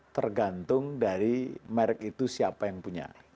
tergantung dari merek itu siapa yang punya